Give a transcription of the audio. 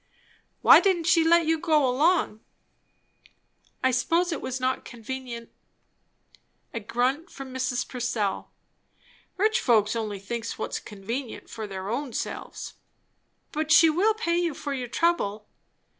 "Why didn't she let you go along?" "I suppose it was not convenient." A grunt from Mrs. Purcell. "Rich folks only thinks what's convenient for their own selves!" "But she will pay you for your trouble."